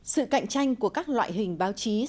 sự cạnh tranh của các loại hình báo chí xuất bản